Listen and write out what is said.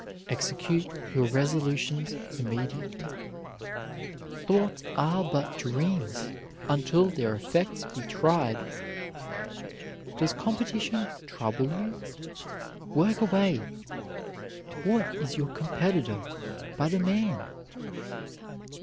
Execute your resolutions immediately. Thoughts are but dreams until their effects be tried. Does competition trouble you? work away; what is your competitor but a man?